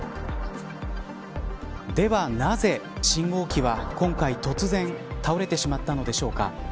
では、なぜ信号機は今回、突然倒れてしまったのでしょうか。